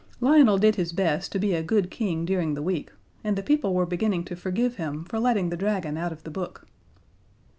Lionel did his best to be a good King during the week, and the people were beginning to forgive him for letting the Dragon out of the book.